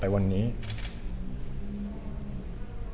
ปัญหาของผู้ใหญ่ก็เคลียร์ให้มันจบไปวันนี้